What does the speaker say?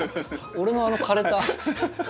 俺のあの枯れた。